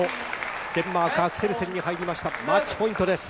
デンマーク、アクセルセンに入りました、マッチポイントです。